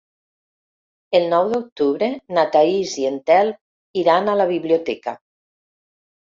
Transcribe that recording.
El nou d'octubre na Thaís i en Telm iran a la biblioteca.